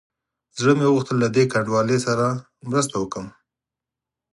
زړه مې وغوښتل له دې کنډوالې سره مرسته وکړم.